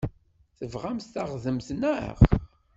Tebɣamt taɣdemt, naɣ?